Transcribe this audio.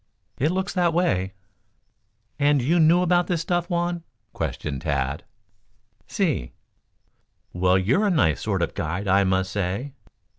"It looks that way." "And you knew about this stuff, Juan?" questioned Tad. "Si." "Well, you're a nice sort of a guide, I must say."